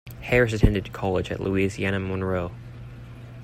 Harris attended college at Louisiana-Monroe.